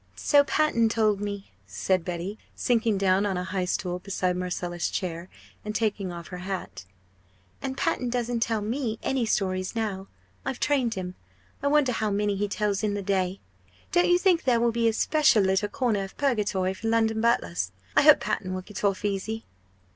"So Panton told me," said Betty, sinking down on a high stool beside Marcella's chair, and taking off her hat; "and Panton doesn't tell me any stories now I've trained him. I wonder how many he tells in the day? Don't you think there will be a special little corner of purgatory for London butlers? I hope Panton will get off easy!"